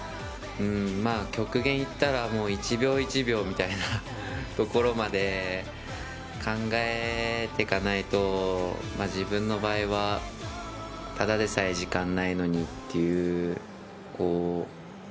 極限をいったら１秒１秒みたいなところまで考えていかないと自分の場合はただでさえ時間がないのにという。